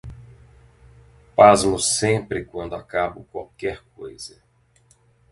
Pasmo sempre quando acabo qualquer coisa.